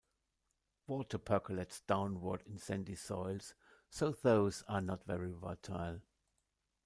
Water percolates downward in sandy soils, so those are not very fertile.